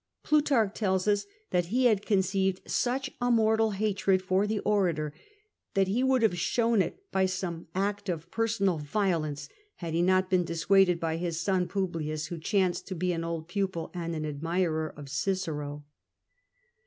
Plutarch tells us that he had conceived such a mortal hatred for the orator that he would have shown it by some act of personal violence, had he not been dissuaded by his son Publius, who chanced to be an old pupil and an admirer of Cicero.